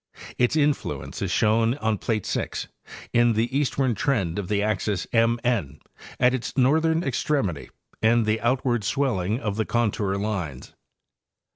Its influence is shown on plate 6, in the eastward trend of the axis M N at its northern extremity and the outward swelling of the contour lines.